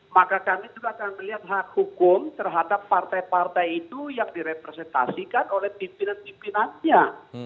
maka kami juga akan melihat hak hukum terhadap partai partai itu yang direpresentasikan oleh pimpinan pimpinannya